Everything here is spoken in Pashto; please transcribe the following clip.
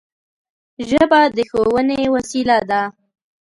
ژبه د ښوونې وسیله ده